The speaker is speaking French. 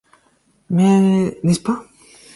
Mais, n'est-ce pas ?